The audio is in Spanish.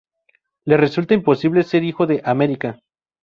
Le resulta imposible ser hijo de Amérika